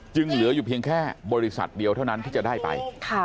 เหลืออยู่เพียงแค่บริษัทเดียวเท่านั้นที่จะได้ไป